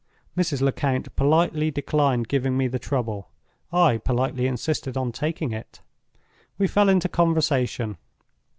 Mrs. Lecount politely declined giving me the trouble—I politely insisted on taking it. We fell into conversation.